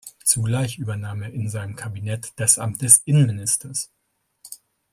Zugleich übernahm er in seinem Kabinett das Amt des Innenministers.